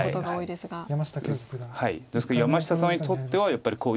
ですから山下さんにとってはやっぱり。